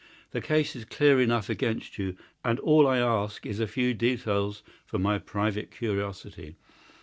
"The case is clear enough against you, and all I ask is a few details for my private curiosity.